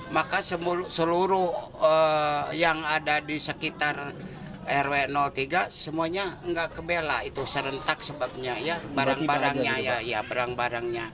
maka seluruh yang ada di sekitar rw tiga semuanya nggak kebela itu serentak sebabnya ya barang barangnya ya barang barangnya